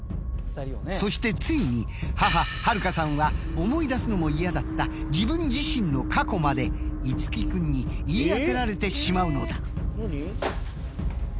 そしてついに母春香さんは思い出すのも嫌だったまで樹君に言い当てられてしまうのだ。